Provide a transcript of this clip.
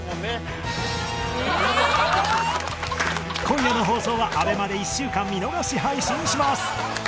今夜の放送は ＡＢＥＭＡ で１週間見逃し配信します！